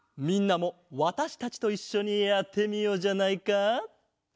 みんなもわたしたちといっしょにやってみようじゃないか！